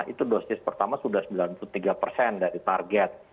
itu dosis pertama sudah sembilan puluh tiga persen dari target